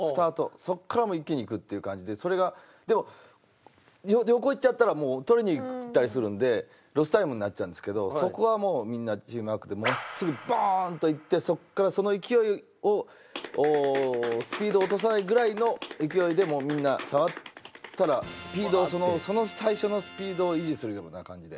それがでも横行っちゃったらもう取りに行ったりするんでロスタイムになっちゃうんですけどそこはもうみんなチームワークで真っすぐボーンっといってそこからその勢いをスピードを落とさないぐらいの勢いでもうみんな触ったらスピードその最初のスピードを維持するような感じで。